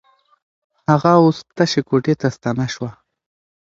هغه اوس تشې کوټې ته ستنه شوه.